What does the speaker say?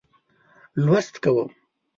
لوست کوم.